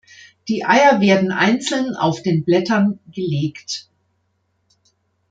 Die Eier werden einzeln auf den Blättern gelegt.